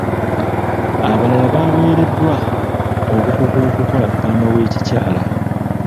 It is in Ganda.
Abalala baaweereddwa obukugu okukola ppamba w'ekikyala.